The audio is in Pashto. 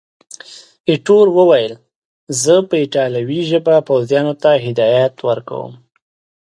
ایټور وویل، زه په ایټالوي ژبه پوځیانو ته هدایات ورکوم.